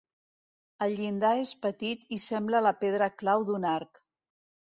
El llindar és petit i sembla la pedra clau d'un arc.